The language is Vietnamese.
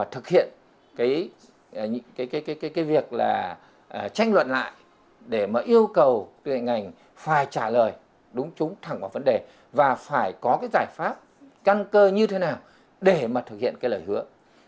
thì cái việc là tranh luận lại để mà yêu cầu tư lệnh ngành phải trả lời đúng chúng thẳng vào vấn đề và phải có cái giải pháp căn cơ như thế nào để mà thực hiện cái lời hứa